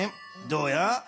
どうや？